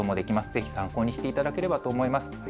ぜひ参考にしていただければと思います。